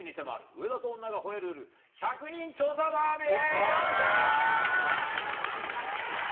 上田と女が吠える夜１００人調査ダービー。